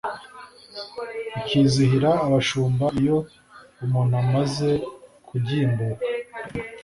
bikizihirà abashumba lyo umuntu amaze kugimbuka,